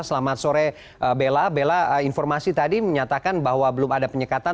selamat sore bella bella informasi tadi menyatakan bahwa belum ada penyekatan